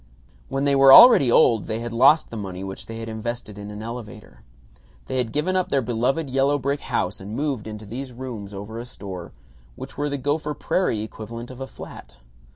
When they were already old they had lost the money, which they had invested in an elevator. They had given up their beloved yellow brick house and moved into these rooms over a store, which were the Gopher Prairie equivalent of a flat.